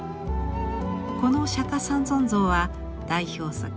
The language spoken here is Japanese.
この「釈三尊像」は代表作